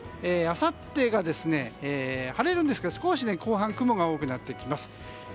あさってが、晴れるんですけども少し後半、雲が多くなってきます。